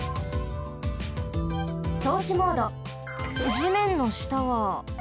じめんのしたは。